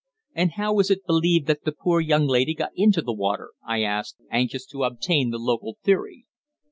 "And how is it believed that the poor young lady got into the water?" I asked, anxious to obtain the local theory.